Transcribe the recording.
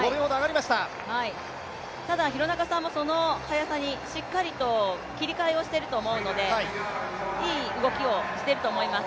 ただ、廣中さんもその速さにしっかりと切り替えをしていると思うのでいい動きをしてると思います。